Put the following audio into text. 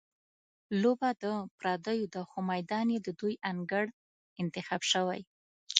لوبه د پردیو ده، خو میدان یې د دوی انګړ انتخاب شوی.